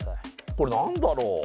これ何だろう？